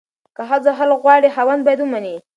که ښځه خلع غواړي، خاوند باید ومني.